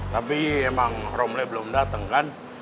tapi emang romle belum datang kan